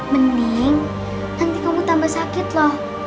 mending nanti kamu tambah sakit loh